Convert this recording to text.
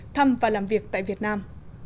thăm và làm việc tại việt nam